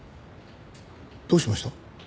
どうしました？